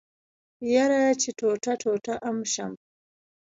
يره چې ټوټه ټوټه ام شم.